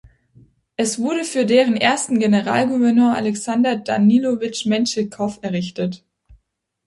Es wurde für deren ersten Generalgouverneur Alexander Danilowitsch Menschikow errichtet.